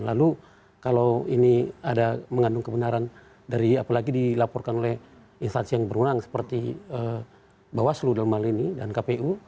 lalu kalau ini ada mengandung kebenaran dari apalagi dilaporkan oleh instansi yang berunang seperti bawaslu dan malini dan kpu